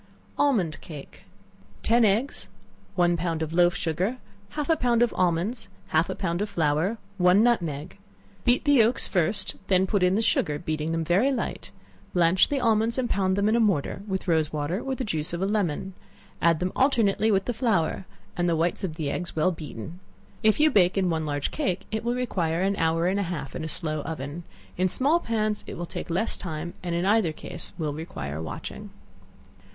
Almond Cake. Ten eggs, one pound of loaf sugar, half a pound of almonds, half a pound of flour, one nutmeg; beat the yelks first, then put in the sugar, beating them very light; blanch the almonds and pound them in a mortar, with rose water or the juice of a lemon; add them alternately with the flour, and the whites of the eggs well beaten. If you bake in one large cake, it will require an hour and a half in a slow oven; in small pans, it will take less time, and in either case, will require watching.